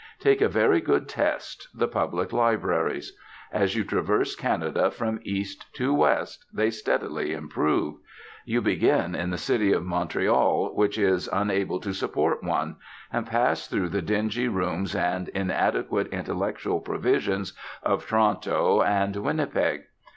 Take a very good test, the public libraries. As you traverse Canada from east to west they steadily improve. You begin in the city of Montreal, which is unable to support one, and pass through the dingy rooms and inadequate intellectual provision of Toronto and Winnipeg.